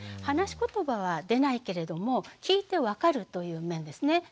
話しことばは出ないけれども聴いて分かるという面ですね。